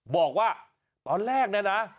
บอกว่าตอนแรกนั้นนะ